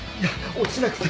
落ちなくて。